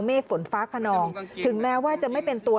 ฝนฟ้าขนองถึงแม้ว่าจะไม่เป็นตัว